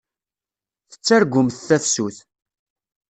Tettargumt tafsut.